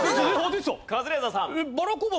カズレーザーさん。